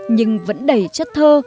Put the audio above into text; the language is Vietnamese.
nhưng vẫn đầy chất thơ